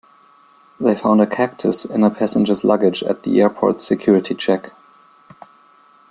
They found a cactus in a passenger's luggage at the airport's security check.